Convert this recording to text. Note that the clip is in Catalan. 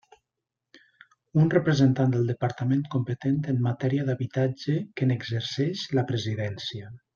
Un representant del departament competent en matèria d'habitatge, que n'exerceix la presidència.